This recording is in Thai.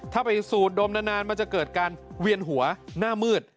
ถ้าไปสูดดมนานมันจะเกิดการเวียนหัวหน้ามืด